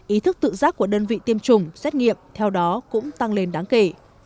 ý thức tự giác của đơn vị tiêm chủng xét nghiệm theo đó cũng tăng lên đáng kể